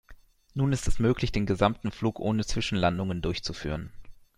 Nun ist es möglich, den gesamten Flug ohne Zwischenlandungen durchzuführen.